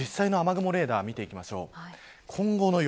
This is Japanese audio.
実際の雨雲レーダーを見ていきましょう。